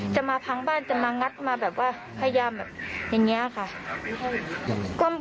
จะมาพังบ้านจะมางัดมาแบบว่าพยายามแบบอย่างนี้ค่ะ